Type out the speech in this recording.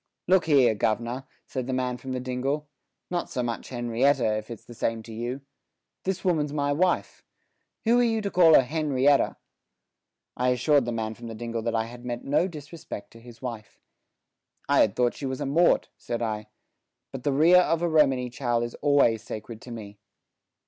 "Look here, gov'nor," said the man from the dingle, "not so much Henrietta, if it's the same to you. This woman's my wife. Who are you to call her Henrietta?" I assured the man from the dingle that I had meant no disrespect to his wife. "I had thought she was a mort," said I; "but the ria of a Romany chal is always sacred to me."